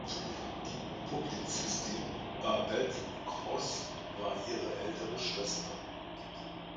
Die Publizistin Babette Gross war ihre ältere Schwester.